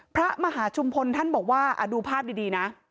พระมหาชุมพลท่านบอกว่าดูภาพดีนะ